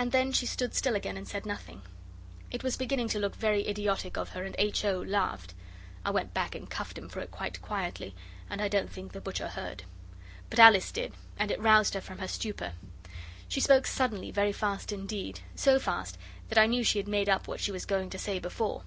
And then she stood still again and said nothing. It was beginning to look very idiotic of her, and H. O. laughed. I went back and cuffed him for it quite quietly, and I don't think the butcher heard. But Alice did, and it roused her from her stupor. She spoke suddenly, very fast indeed so fast that I knew she had made up what she was going to say before.